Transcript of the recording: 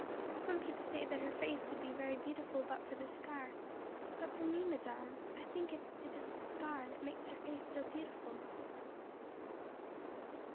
Some people say that her face would be very beautiful but for the scar; but for me, madame, I think that it is the scar that makes her face so beautiful."